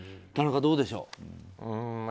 田中、どうでしょう。